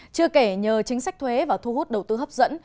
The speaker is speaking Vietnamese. chưa kể nhờ chính sách thuế và thu hút đầu tư hấp dẫn